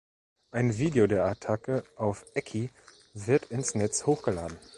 Ein Video der Attacke auf Ekki wird ins Netz hochgeladen.